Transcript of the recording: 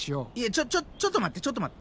ちょちょちょっと待ってちょっと待って。